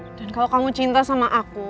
dan kalau kamu cinta sama aku